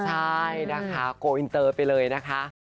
ใช่นะคะโกอินเตอร์ไปเลยนะคะ